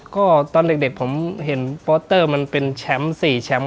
ก็ตอนเด็กผมเห็นโปสเตอร์มันเป็นแชมป์๔แชมป์